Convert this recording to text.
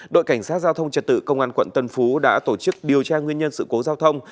đội cảnh sát giao thông trật tự công an quận tân phú đã tổ chức điều tra nguyên nhân sự cố giao thông